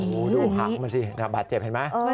โอ้โหดูหางมันสิบาดเจ็บเห็นไหม